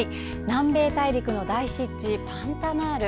南米大陸の大湿地パンタナール。